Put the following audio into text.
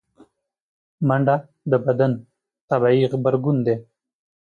منډه د بدن طبیعي غبرګون دی